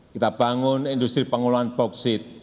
kita bangun industri pengolahan bauksit